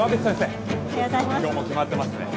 今日もキマってますね